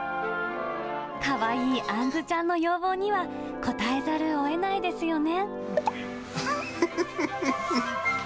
かわいいあんずちゃんの要望には、応えざるをえないですよね。